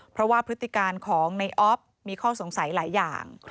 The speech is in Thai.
เพราะว่าพฤติการของในออฟมีข้อสงสัยหลายอย่าง